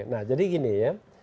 nah jadi gini ya